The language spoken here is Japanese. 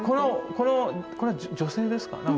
でこれは女性ですか？